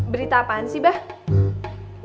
berita apaan sih bang